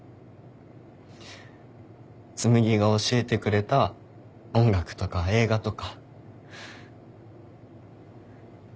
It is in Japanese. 紬が教えてくれた音楽とか映画とか。